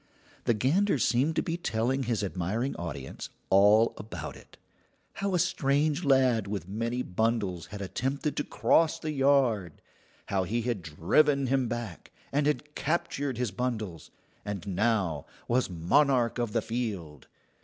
The gander seemed to be telling his admiring audience all about it: how a strange lad with many bundles had attempted to cross the yard; how he had driven him back, and had captured his bundles, and now was monarch of the field.